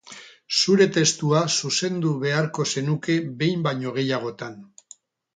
Zure testua zuzendu beharko zenuke behin baino gehiagotan.